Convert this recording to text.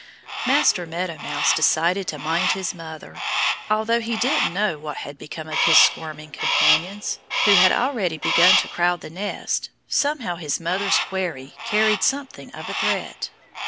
Master Meadow Mouse decided to mind his mother. Although he didn't know what had become of his squirming companions, who had already begun to crowd the nest, somehow his mother's query carried something of a threat.